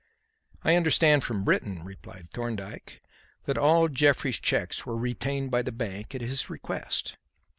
"I understand from Britton," replied Thorndyke, "that all Jeffrey's cheques were retained by the bank at his request.